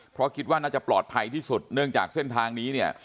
เพราะคิดว่าน่าจะปลอดภัยที่สุดเนื่องจากเส้นทางนี้เนี่ย